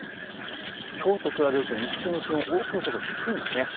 きょうと比べると日中の気温が多くのところ低いんです。